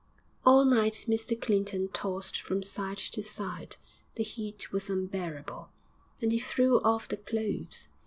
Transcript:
All night Mr Clinton tossed from side to side; the heat was unbearable, and he threw off the clothes.